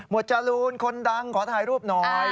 จรูนคนดังขอถ่ายรูปหน่อย